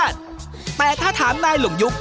แต่ถ้าถามนายหลุมยุค